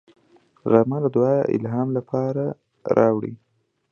غرمه د دعا لپاره الهام راوړي